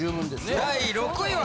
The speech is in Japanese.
第６位は！